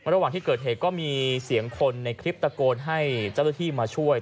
ระหว่างที่เกิดเหตุก็มีเสียงคนในคลิปตะโกนให้เจ้าหน้าที่มาช่วย